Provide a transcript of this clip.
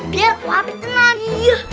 biar wabit tenang